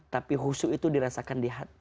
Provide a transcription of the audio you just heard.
tapi husu itu dirasakan di hati